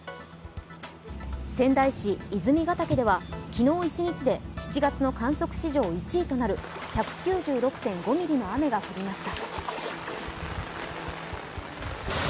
仙台市泉ヶ岳では、昨日一日で７月の観測史上１位となる１９６．５ミリの雨が降りました。